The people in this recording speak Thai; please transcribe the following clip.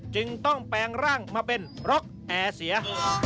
จึงต้องแปลงร่างมาเป็นร็อกแอร์เสีย